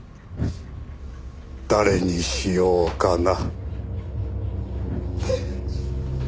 誰にしようかな？